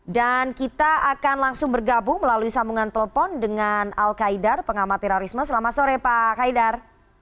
dan kita akan langsung bergabung melalui sambungan telepon dengan al qaidar pengamah terorisme selamat sore pak qaidar